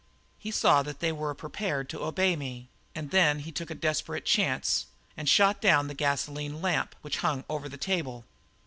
He saw that they were prepared to obey me, and then he took a desperate chance and shot down the gasoline lamp which hung over the table.